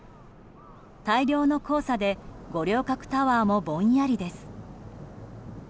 大量の黄砂で五稜郭タワーもぼんやりです。